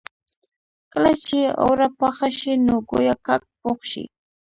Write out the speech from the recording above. کله چې اوړه پاخه شي نو ګويا کاک پوخ شي.